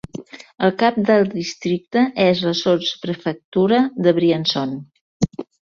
El cap del districte és la sotsprefectura de Briançon.